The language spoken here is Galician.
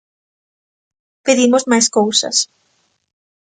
Pedimos máis cousas.